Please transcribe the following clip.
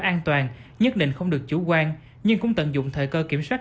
để bán vé số an toàn nhất định không được chủ quan nhưng cũng tận dụng thời cơ kiểm soát